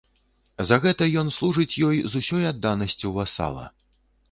За гэта ён служыць ёй з усёй адданасцю васала.